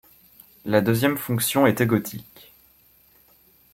La deuxième fonction est égotique.